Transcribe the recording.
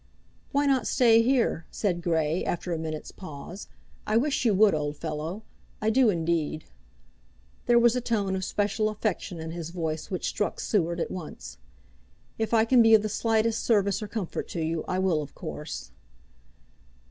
"Why not stay here?" said Grey, after a minute's pause. "I wish you would, old fellow; I do, indeed." There was a tone of special affection in his voice which struck Seward at once. "If I can be of the slightest service or comfort to you, I will of course."